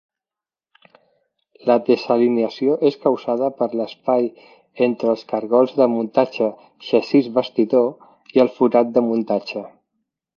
La desalineació és causada per l'espai entre els cargols de muntatge xassís-bastidor i el forat de muntatge.